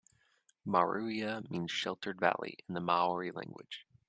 "Maruia" means "sheltered valley" in the Maori language.